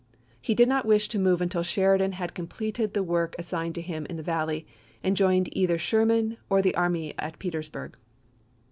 He did not wish to move until Sheridan had completed the work as signed him in the Valley and joined either Sher man or the army at Petersburg.